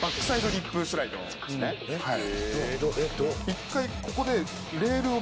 一回ここで。